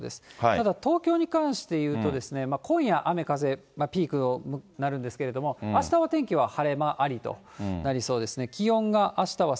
ただ、東京に関していうと、今夜、雨風、ピークとなるんですけれども、あしたの天気は晴れ間ありとなりそうですね。